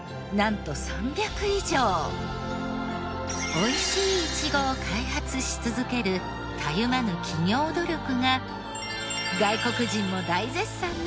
おいしいイチゴを開発し続けるたゆまぬ企業努力が。